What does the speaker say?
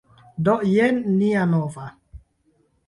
Do, jen nia nova...